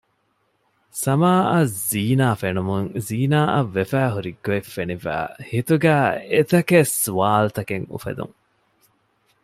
ސަމާއަށް ޒިނާފެނުމުން ޒީނާއަށް ވެފައި ހުރިގޮތް ފެނިފައި ހިތުގައި އެތަކެއް ސްވާލުތަކެއް އުފެދުން